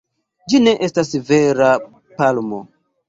Ĝi ne estas vera palmo.